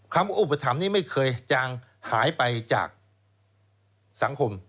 คำว่าอุปธรรมนี้ไม่เคยจางหายไปจากสังคม